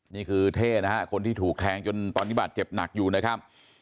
นี่คือเท่นะครับคนที่ถูกแทงจนตอนนิบัติเจ็บหนักอยู่นะครับ